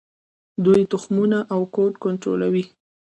دوی تخمونه او کود کنټرولوي.